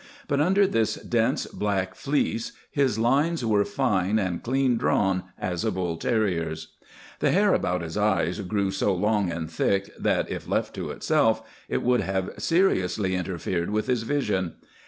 But under this dense black fleece his lines were fine and clean drawn as a bull terrier's. The hair about his eyes grew so long and thick that, if left to itself, it would have seriously interfered with his vision.